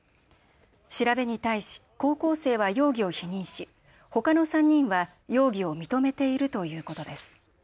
調べに対し高校生は容疑を否認しほかの３人は容疑を認めているということです。